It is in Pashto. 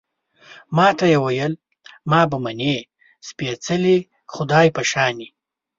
ما ته يې ویل، ما به منې، سپېڅلي خدای په شانې